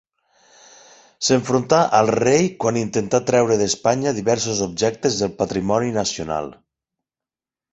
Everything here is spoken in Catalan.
S'enfrontà al rei quan intentà treure d'Espanya diversos objectes del patrimoni nacional.